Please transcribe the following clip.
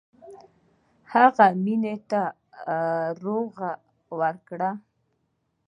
هغه مينې ته ورږغ کړه.